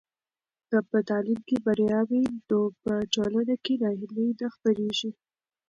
که په تعلیم کې بریا وي نو په ټولنه کې ناهیلي نه خپرېږي.